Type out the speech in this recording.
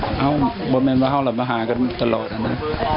ดะบนแม่นว่าเฉินมาฮาตรงนี้ตลอดนะ